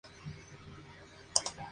Actualmente es asistente de Aldo Bobadilla.